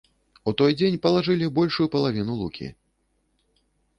У той дзень палажылі большую палавіну лукі.